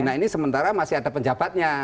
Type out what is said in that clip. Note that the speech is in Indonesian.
nah ini sementara masih ada penjabatnya